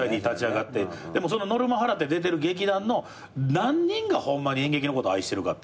でもそのノルマ払って出てる劇団の何人がホンマに演劇のこと愛してるかって。